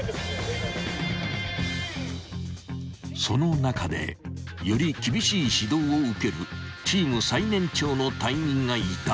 ［その中でより厳しい指導を受けるチーム最年長の隊員がいた］